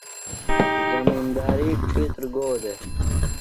زمنداری ڇھیتر گو دےۡ؟